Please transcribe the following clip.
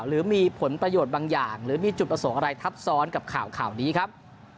หรือมีผลประโยชน์บางอย่างหรือมีจุดประสงค์อะไรทับซ้อนกับข่าวนี้ครับ